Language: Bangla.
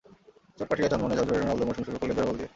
চোট কাটিয়ে চনমনে, ঝরঝরে রোনালদো মৌসুম শুরু করলেন জোড়া গোল দিয়ে।